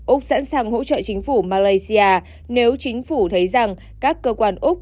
úc sẵn sàng hỗ trợ chính phủ malaysia nếu chính phủ thấy rằng các cơ quan úc